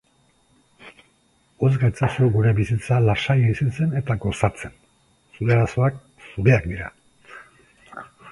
Utz gaitzazu gure bizitza lasai bizitzen eta gozatzen, zure arazoak zureak dira!